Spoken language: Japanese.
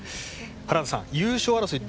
原田さん、優勝争い